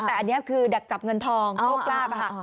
แต่อันนี้คือดักจับเงินทองโชคลาภค่ะ